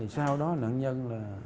sau đó nạn nhân